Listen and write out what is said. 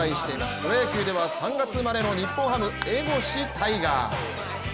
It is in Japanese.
プロ野球では３月生まれの日本ハム・江越大賀。